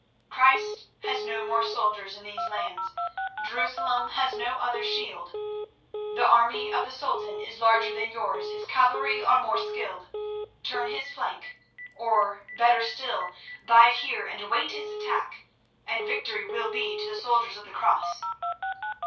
Christ has no more soldiers in these lands, Jerusalem has no other shield. The army of the Sultan is larger than yours; his cavalry are more skilled. Turn his flank—or, better still, bide here and await his attack, and victory will be to the soldiers of the Cross.